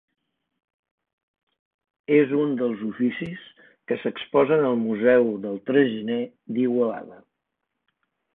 És un dels oficis que s'exposen al Museu del Traginer d'Igualada.